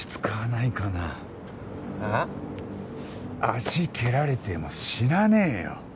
足蹴られても死なねえよ。